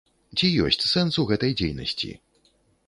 Ці ёсць сэнс у гэтай дзейнасці?